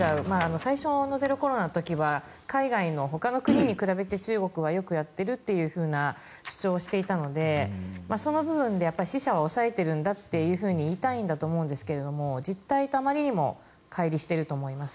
最初のゼロコロナの時は海外のほかの国に比べて中国はよくやっているというような主張をしていたのでその部分で死者は抑えているんだと言いたいんだと思うんですが実態とあまりにもかい離していると思います。